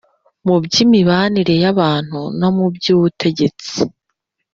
mu by’imibanire y’abantu no mu by’ubutegetsi,